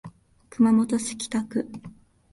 熊本市北区